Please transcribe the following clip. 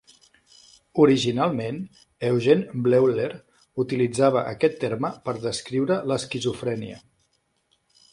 Originalment, Eugen Bleuler utilitzava aquest terme per descriure l'esquizofrènia.